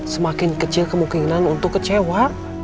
semakin kecil kemungkinan untuk kecewa